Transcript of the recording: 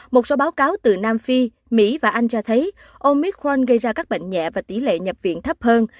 một số báo cáo từ nam phi mỹ và anh cho thấy omicwan gây ra các bệnh nhẹ và tỷ lệ nhập viện thấp hơn